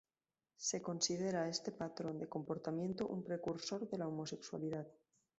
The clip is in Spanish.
Se considera a este patrón de comportamiento un precursor de la homosexualidad.